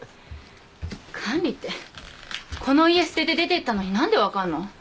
管理ってこの家捨てて出てったのに何で分かんの？